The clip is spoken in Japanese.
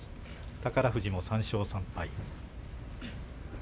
宝富士も３勝３敗。